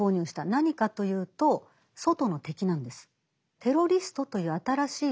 何かというと外の敵なんです。